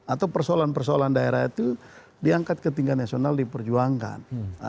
atau persoalan persoalan daerah itu diangkat ke tingkat nasional diperjuangkan